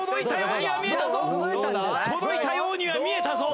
届いたようには見えたぞ。